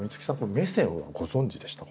メセンはご存じでしたか？